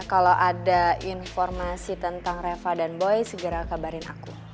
kalau ada informasi tentang reva dan boy segera kabarin aku